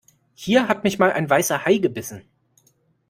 Hier hat mich mal ein Weißer Hai gebissen.